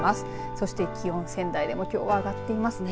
そして気温、仙台でもきょうは上がっていますね。